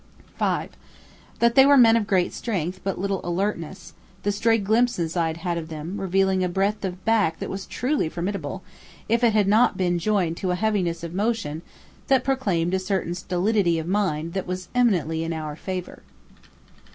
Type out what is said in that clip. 5. That they were men of great strength but little alertness; the stray glimpses I had had of them, revealing a breadth of back that was truly formidable, if it had not been joined to a heaviness of motion that proclaimed a certain stolidity of mind that was eminently in our favor.